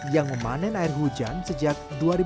yang memanen air hujan sejak